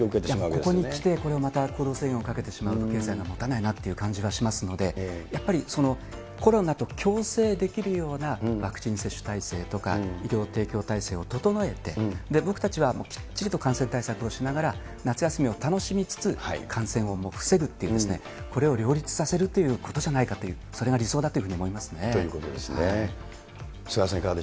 ここに来てこれをまた、行動制限をかけてしまうと、経済がもたないなという感じがしますので、やっぱり、コロナと共生できるようなワクチン接種体制とか医療提供体制を整えて、僕たちはきっちりと感染対策をしながら、夏休みを楽しみつつ、感染を防ぐというですね、これを両立させるということじゃないかという、それが理想だというふうに思いますね。ということですね。